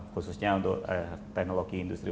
khususnya untuk teknologi industri